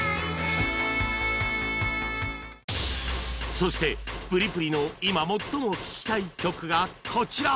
そしてプリプリの今最も聴きたい曲がこちら！